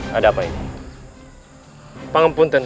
tidak ada yang bisa diserahkan